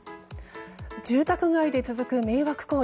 住宅街で続く迷惑行為。